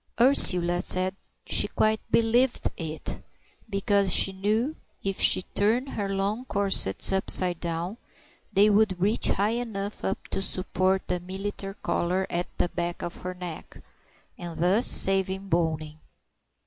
Ursula said she quite believed it, because she knew, if she turned her long corsets upside down, they would reach high enough up to support the military collar at the back of her neck, and thus save boning.